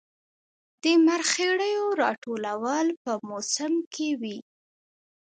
د مرخیړیو راټولول په موسم کې وي